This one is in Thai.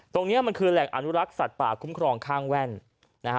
ตรงนี้มันคือแหล่งอนุรักษ์สัตว์ป่าคุ้มครองข้างแว่นนะฮะ